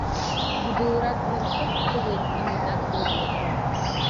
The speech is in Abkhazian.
Гәыблрак нархыҳәҳәылеит Аминаҭ лыблақәа.